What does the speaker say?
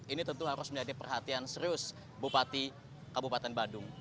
ini tentu harus menjadi perhatian serius bupati kabupaten badung